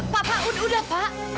pak pak udah udah pak